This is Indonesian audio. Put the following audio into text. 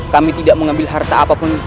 kami tidak mengambil harta apapun